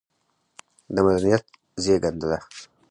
د مدنيت زېږنده دى